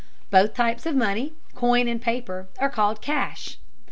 Both types of money, coin and paper, are called "cash."